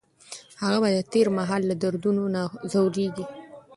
هغه به د تېر مهال له دردونو نه ځوریږي.